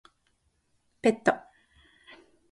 ペット